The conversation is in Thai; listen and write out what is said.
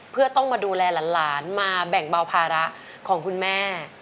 เพื่อต้องมาดูแลหลานมาแบ่งเบาภาระของคุณแม่